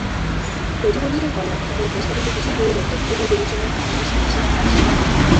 প্রতিবন্ধীদের কল্যাণ খাতের প্রস্তাবিত কিছু পরিবর্তন পুনর্বিবেচনার আভাস দিয়েছিল তাঁর সরকার।